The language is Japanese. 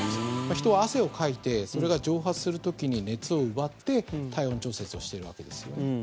人は汗をかいてそれが蒸発する時に熱を奪って体温調節をしているわけですよね。